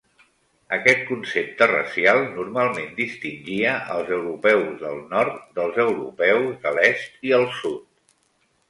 Aquest concepte racial normalment distingia els europeus del nord dels europeus de l'est i el sud.